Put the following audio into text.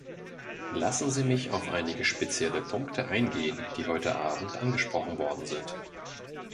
Lassen Sie mich auf einige spezielle Punkte eingehen, die heute Abend angesprochen worden sind.